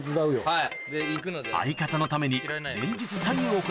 はい。